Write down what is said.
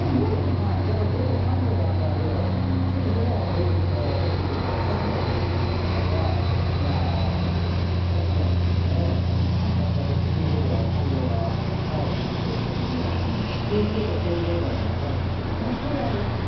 午後３時の段階ですぐそばまで夜がやってくるということは、北の方では極夜だんだん北極の方では太陽の沈むのが早くなって、そういうことがこういうところからも分かるんですよね。